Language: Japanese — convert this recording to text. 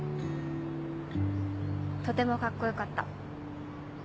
とてもカッコ良かった。